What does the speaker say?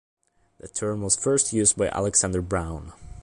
The term was first used by Alexander Braun.